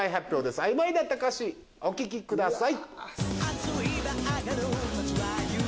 あいまいだった歌詞お聴きください。